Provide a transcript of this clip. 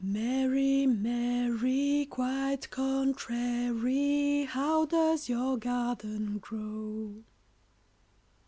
] Mary, Mary, quite contrary, How does your garden grow?